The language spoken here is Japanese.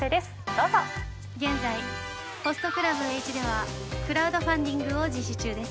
どうぞ現在ホストクラブエーイチではクラウドファンディングを実施中です